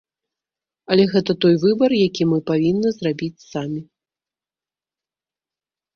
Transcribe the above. Але гэта той выбар, які мы павінны зрабіць самі.